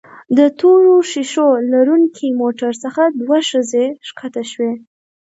د تورو ښيښو لرونکي موټر څخه دوه ښځې ښکته شوې.